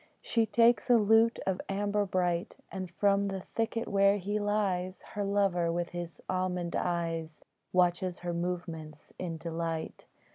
She takes a lute of amber bright, And from the thicket where he lies Her lover, with his almond eyes, Watches her movements in delight.